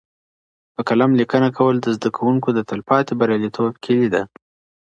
په قلم لیکنه کول د زده کوونکو د تلپاتې بریالیتوب کیلي ده.